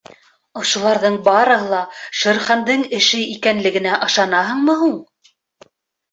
— Ошоларҙың барыһы ла Шер Хандың эше икәнлегенә ышанаһыңмы һуң?